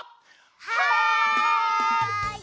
はい！